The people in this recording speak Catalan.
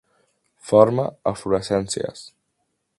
Forma eflorescències.